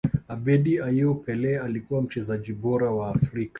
abedi ayew pele alikuwa mchezaji bora wa afrika